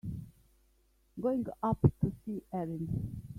Going up to see Erin.